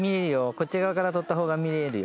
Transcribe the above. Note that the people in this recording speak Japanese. こっち側から取ったほうが見えるよ。